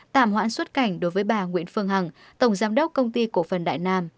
tạm hoãn xuất cảnh đối với bà nguyễn phương hằng tổng giám đốc công ty cổ phần đại nam